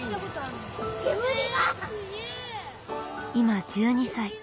今１２歳。